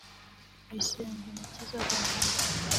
Bisengumukiza Bernard